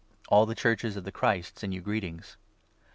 All the Churches of the Christ send you greetings.